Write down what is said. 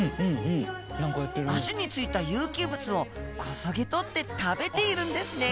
脚に付いた有機物をこそげ取って食べているんですね！